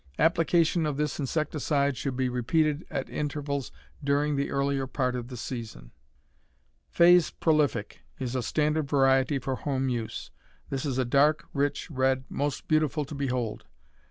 Application of this insecticide should be repeated at intervals during the earlier part of the season. Fay's Prolific is a standard variety for home use. This is a dark, rich red, most beautiful to behold.